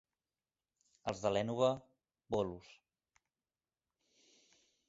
Els de l'Énova, bolos.